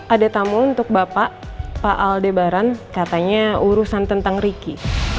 ada tamu untuk bapak pak aldebaran katanya urusan tentang riki